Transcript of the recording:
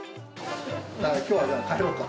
きょうはじゃあ帰ろうか。